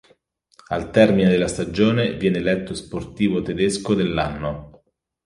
Al termine della stagione viene eletto sportivo tedesco dell'anno.